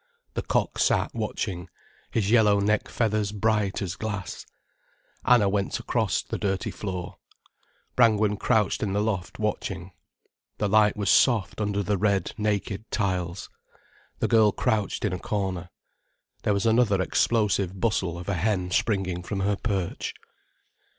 The cock sat watching, his yellow neck feathers bright as glass. Anna went across the dirty floor. Brangwen crouched in the loft watching. The light was soft under the red, naked tiles. The girl crouched in a corner. There was another explosive bustle of a hen springing from her perch.